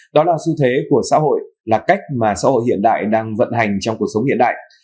đó là xu thế của xã hội là cách mà xã hội hiện đại đang vận hành trong cuộc sống hiện đại